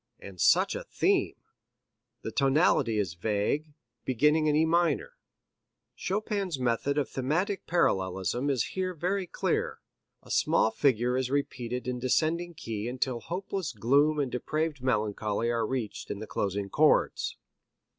And such a theme! The tonality is vague, beginning in E minor. Chopin's method of thematic parallelism is here very clear. A small figure is repeated in descending keys until hopeless gloom and depraved melancholy are reached in the closing chords.